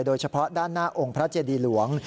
โดยเฉพาะด้านหน้าองค์พระเจดีหลวง